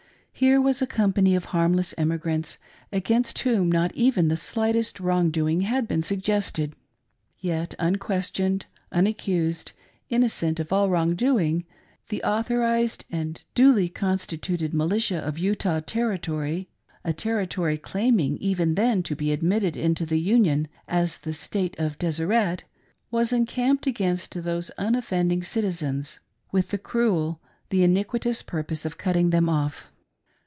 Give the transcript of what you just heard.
Here was a company of harmless emigrants, against whom not even the slightest wrong doing had been suggested. Yet, unquestioned, unaccused, innocent of all wrong doing, the authorised and duly constituted militia of Utah Territory — a Territory claim ing even then to be admitted into the Union as the State of "Deseret" — was encamped against those unoffending citizens, with the cruel, the iniquitous purpose of cutting them off.